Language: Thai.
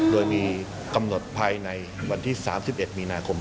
โดยมีกำหนดภายในวันที่๓๑มีนาคม